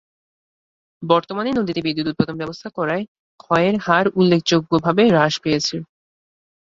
বর্তমানে নদীতে বিদ্যুৎ উৎপাদন ব্যবস্থা করায় ক্ষয়ের হার উল্লেখযোগ্যভাবে হ্রাস পেয়েছে।